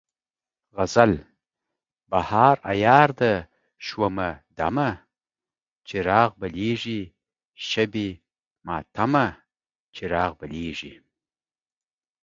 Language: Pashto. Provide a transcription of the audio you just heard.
غزل: بهار عیار ده شومه دمه، چراغ بلیږي شبِ ماتمه، چراغ بلیږي